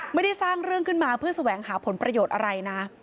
ไม่ได้สร้างเรื่องขึ้นมาเพื่อแสวงหาผลประโยชน์อะไรนะ